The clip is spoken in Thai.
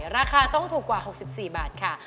ราคาต้องถูกกว่า๖๔บาทค่ะ